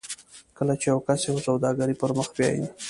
کله چې یو کس یوه سوداګري پر مخ بیایي